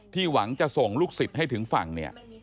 หวังจะส่งลูกศิษย์ให้ถึงฝั่งเนี่ย